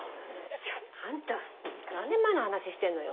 ちょっとあんた何年前の話してんのよ？